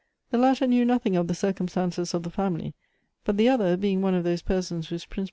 The hitter knew nothing of the circumstances of the fomily ; but the other being one of those persons whose principr.